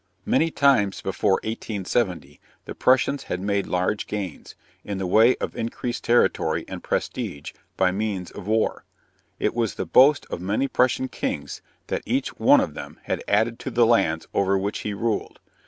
Many times before 1870 the Prussians had made large gains, in the way of increased territory and prestige, by means of war. It was the boast of many Prussian kings that each one of them had added to the lands over which he ruled.